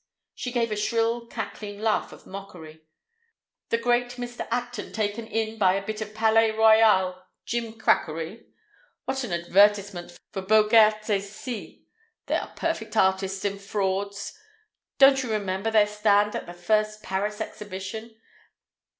She gave a shrill cackling laugh of mockery. "The great Mr. Acton taken in by a bit of Palais Royal gimcrackery! What an advertisement for Bogaerts et Cie! They are perfect artists in frauds. Don't you remember their stand at the first Paris Exhibition?